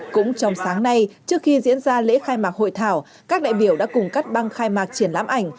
cũng trong sáng nay trước khi diễn ra lễ khai mạc hội thảo các đại biểu đã cùng cắt băng khai mạc triển lãm ảnh